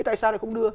tại sao không đưa